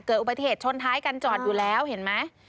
อุบัติเหตุชนท้ายกันจอดอยู่แล้วเห็นไหม